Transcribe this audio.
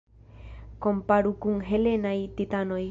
Komparu kun helenaj titanoj.